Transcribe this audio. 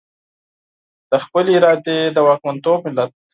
د خپلې ارادې د واکمنتوب ملت.